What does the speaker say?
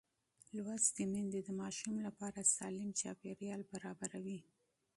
لوستې میندې د ماشوم لپاره سالم چاپېریال برابروي.